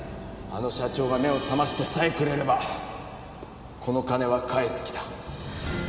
あの社長が目を覚ましてさえくれればこの金は返す気だ。